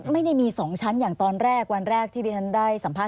ไม่ได้มี๒ชั้นอย่างตอนแรกวันแรกที่ดิฉันได้สัมภาษ